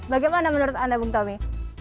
bagaimana menurut anda bung tommy